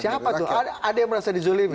siapa tuh ada yang merasa di zolimi